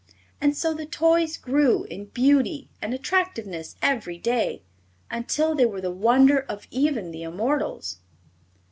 And so the toys grew in beauty and attractiveness every day, until they were the wonder of even the immortals.